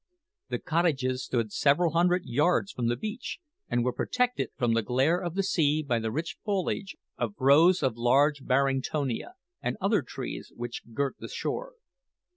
The cottages stood several hundred yards from the beach, and were protected from the glare of the sea by the rich foliage of rows of large Barringtonia and other trees which girt the shore.